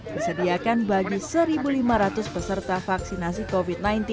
disediakan bagi satu lima ratus peserta vaksinasi covid sembilan belas